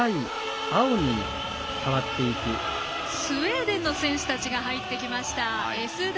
スウェーデンの選手たちが入ってきました。